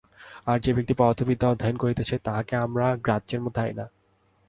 আর যে ব্যক্তি পদার্থবিদ্যা অধ্যয়ন করিতেছে, তাহাকে আমরা গ্রাহ্যের মধ্যে আনি না।